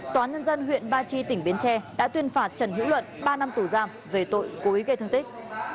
tòa nhân dân huyện ba chi tỉnh bến tre đã tuyên phạt trần hữu luận ba năm tù giam về tội cố ý gây thương tích